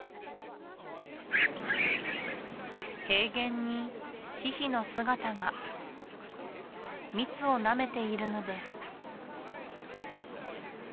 平原にヒヒの姿が蜜をなめているのです